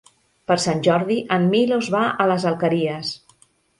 Per Sant Jordi en Milos va a les Alqueries.